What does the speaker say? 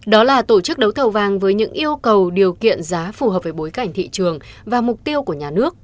đó là tổ chức đấu thầu vàng với những yêu cầu điều kiện giá phù hợp với bối cảnh thị trường và mục tiêu của nhà nước